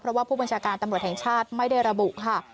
เพราะว่าผู้บัญชาการตำรวจแห่งชาติไม่ได้ระบุค่ะ